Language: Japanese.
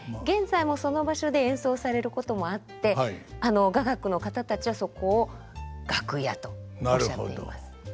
現在もその場所で演奏されることもあって雅楽の方たちはそこを「楽屋」とおっしゃっています。